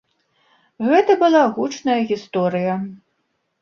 Гэта была гучная гісторыя.